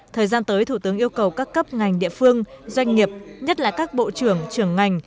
thời gian tới thủ tướng yêu cầu các cấp ngành địa phương doanh nghiệp nhất là các bộ trưởng trưởng ngành